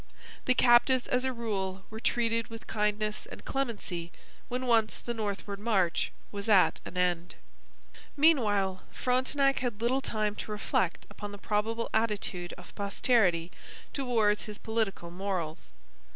The captives as a rule were treated with kindness and clemency when once the northward march was at an end. Meanwhile, Frontenac had little time to reflect upon the probable attitude of posterity towards his political morals.